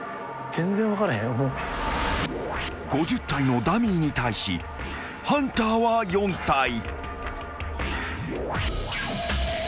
［５０体のダミーに対しハンターは４体］